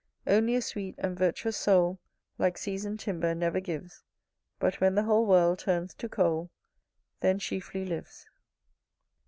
Only a sweet and virtuous soul, Like season'd timber, never gives, But when the whole world turns to coal, Then chiefly lives.